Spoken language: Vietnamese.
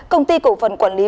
công ty cổ phần quản lý